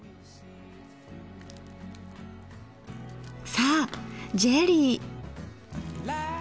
さあジェリー。